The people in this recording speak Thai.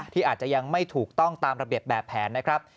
ที่อาจจะยังไม่ถูกต้องตามระเบียบแบบแผนนะครับ